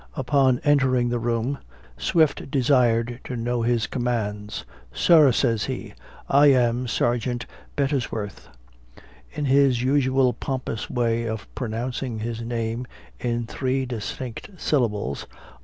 Upon entering the room, Swift desired to know his commands. "Sir," says he, "I am Sergeant Bet tes worth;" in his usual pompous way of pronouncing his name in three distinct syllables.